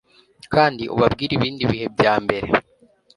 Kandi ubabwire ibindi bihe byambere